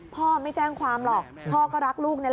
พ่อไม่แจ้งความหรอกพ่อก็รักลูกนะ